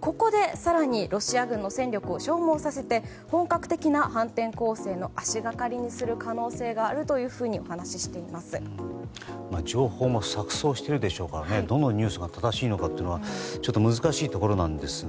ここで更にロシア軍の戦力を消耗させて本格的な反転攻勢の足掛かりにする可能性があると情報も錯綜しているのでどのニュースが正しいのか難しいところですが。